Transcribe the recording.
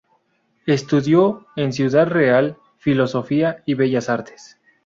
Estudió en Ciudad Real Filosofía y Bellas Artes.